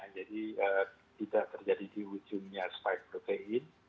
jadi tidak terjadi di ujungnya spike protein